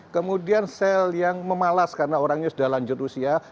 kemudian sel yang memalas karena orangnya sudah lanjut usia